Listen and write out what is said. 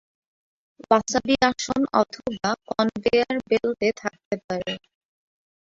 Wasabi আসন অথবা conveyor বেল্টে থাকতে পারে।